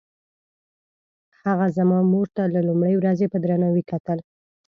هغه زما مور ته له لومړۍ ورځې په درناوي کتل.